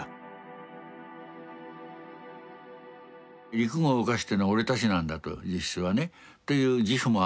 陸軍を動かしてるのは俺たちなんだと実質はねという自負もあるわけです。